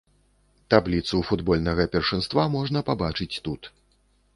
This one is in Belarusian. Табліцу футбольнага першынства можна пабачыць тут.